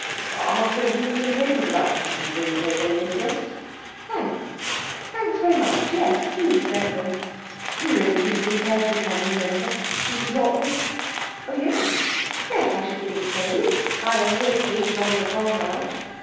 'I'll send you some papers about it, if you really take any interest.' 'Thanks. Thanks, very much. Yes, do send them.' 'Do you really think you would care to become a member, Mrs Ottley?' 'Oh, yes; yes, I should think so. I always hated Oliver Cromwell.'